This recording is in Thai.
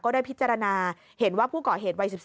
ได้พิจารณาเห็นว่าผู้ก่อเหตุวัย๑๔